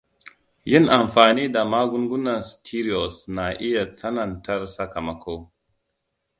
Yin amfani da magungunan steroids na iya tsanantar sakamako.